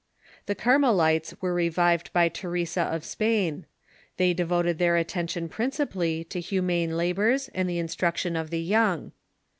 The Carmelites were revived by Theresa of Spain. They devoted their attention principal ly to humane labors and the instruction of the young.